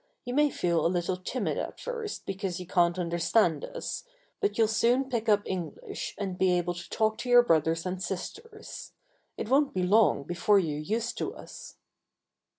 You may feel a little timid at first because you can't understand us, but you'll soon pick up English and be able to talk to your brothers and sisters. It won't be long before you're used to us."